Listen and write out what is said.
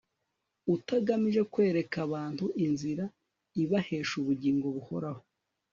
utagamije kwereka abantu inzira ibahesha ubugingo buhoraho